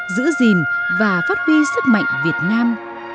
giữ gìn và phát huy sức mạnh việt nam